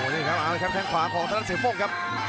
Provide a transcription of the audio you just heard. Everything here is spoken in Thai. นี่ครับอาวุธแข่งขวาของธนธรรมสิงห์โฟงครับ